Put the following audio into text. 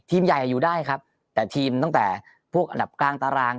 ใหญ่อยู่ได้ครับแต่ทีมตั้งแต่พวกอันดับกลางตาราง